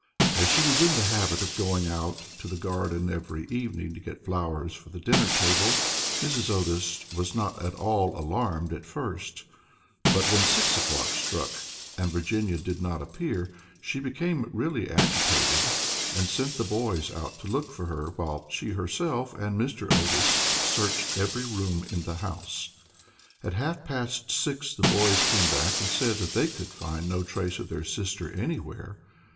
As she was in the habit of going out to the garden every evening to get flowers for the dinner table, Mrs. Otis was not at all alarmed at first, but when six o'clock struck, and Virginia did not appear, she became really agitated, and sent the boys out to look for her, while she herself and Mr. Otis searched every room in the house. At half past six the boys came back and said that they could find no trace of their sister anywhere.